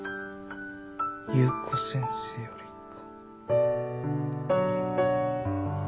「優子先生より」か。